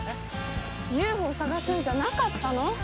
ＵＦＯ探すんじゃなかったの？